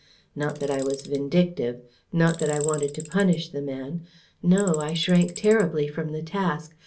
Not that I was vindictive. Not that I wanted to punish the man. No; I shrank terribly from the task.